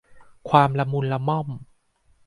ความละมุนละม่อม